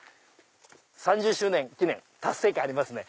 ３０周年記念達成感ありますね。